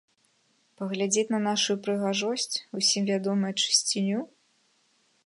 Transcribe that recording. Паглядзець на нашую прыгажосць, усім вядомую чысціню?